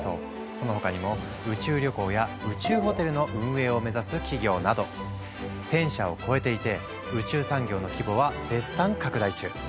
その他にも宇宙旅行や宇宙ホテルの運営を目指す企業など１，０００社を超えていて宇宙産業の規模は絶賛拡大中。